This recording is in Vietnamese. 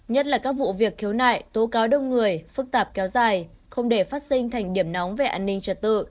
nhất là các vụ việc khiếu nại tố cáo đông người phức tạp kéo dài không để phát sinh thành điểm nóng về an ninh trật tự